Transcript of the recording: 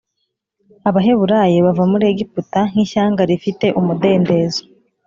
’ Abaheburayo bava muri Egiputa nk’ishyanga rifite umudendezo.